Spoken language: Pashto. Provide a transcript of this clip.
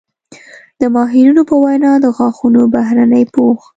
د ماهرینو په وینا د غاښونو بهرني پوښ